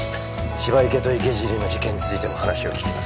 芝池と池尻の事件についても話を聞きます